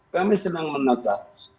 kami senang menata